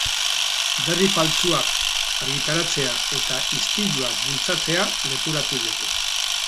Berri faltsuak argitaratzea eta istiluak bultzatzea leporatu diote.